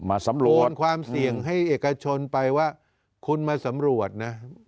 สำรวจโอนความเสี่ยงให้เอกชนไปว่าคุณมาสำรวจนะ